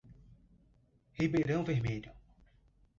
Ribeirão Vermelho